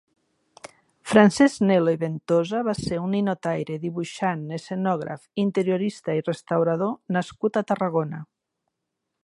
Francesc Nel·lo i Ventosa va ser un ninotaire, dibuixant, escenògraf, interiorista i restaurador nascut a Tarragona.